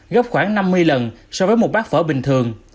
gấp khoảng năm mươi lần so với một bát phở bình thường